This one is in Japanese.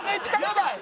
やばい！